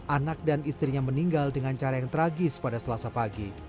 anak dan istrinya meninggal dengan cara yang tragis pada selasa pagi